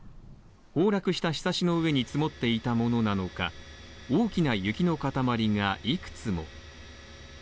崩落したひさしの上に積もっていたものなのか大きな雪の塊がいくつも。